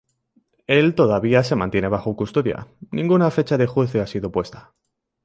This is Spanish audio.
Él todavía se mantiene bajo custodia, ninguna fecha de juicio ha sido puesta.